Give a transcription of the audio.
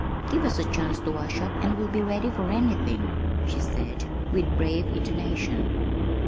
"Give us a chance to wash up and we'll be ready for anything," she said with brave intonation.